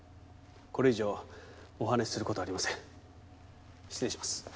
これ以上お話しすることはありません失礼します